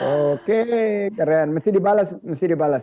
oke keren mesti dibalas